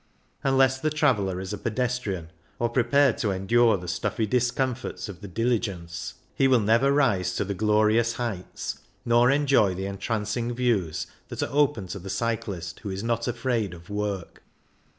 Unless the traveller is a pedestrian, or prepared to endure the stuffy discomforts of the diligence, he will never rise to the glorious heights, nor enjoy the entrancing views, that are open to the cyclist who is not afraid of work.